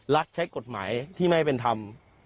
ใช้กฎหมายที่ไม่เป็นธรรม